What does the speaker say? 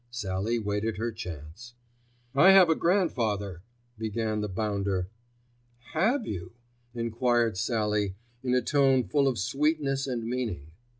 Sallie waited her chance. "I have a grandfather," began the bounder. "Have you?" enquired Sallie in a tone full of sweetness and meaning.